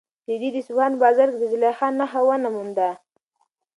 رېدي د اصفهان په بازار کې د زلیخا نښه ونه مونده.